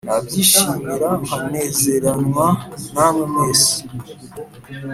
nabyishimira nkanezerarwa namwe mwese